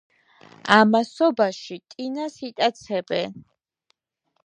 ამასობაში ტინას იტაცებენ.